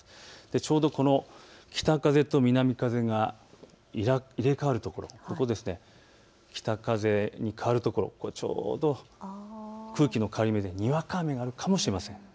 ちょうど北風と南風が入れ替わるところ北風に変わるところ、ちょうど空気の変わり目でにわか雨があるかもしれません。